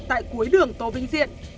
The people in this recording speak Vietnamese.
tại cuối đường tô vĩnh diện